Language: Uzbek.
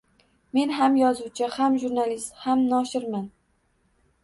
Men ham yozuvchi, ham jurnalist, ham noshirman